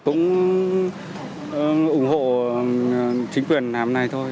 chúng ủng hộ chính quyền hàm này thôi